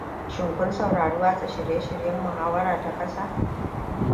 Shin kun saurari watsa shirye-shiryen Muhawara ta Kasa?